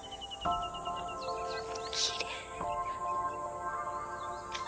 きれい。